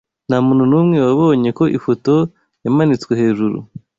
Ntamuntu numwe wabonye ko ifoto yamanitswe hejuru.